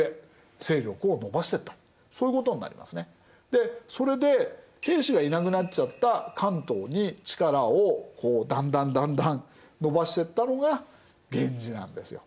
でそれで平氏がいなくなっちゃった関東に力をだんだんだんだん伸ばしてったのが源氏なんですよ。